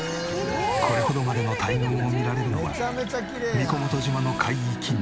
これほどまでの大群を見られるのは神子元島の海域ならでは！